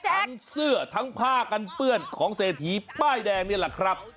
ทั้งเสื้อทั้งผ้ากันเปื้อนของเศรษฐีป้ายแดงนี่แหละครับ